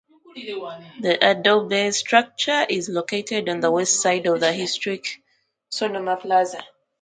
The adobe structure is located on the westside of the historic Sonoma Plaza.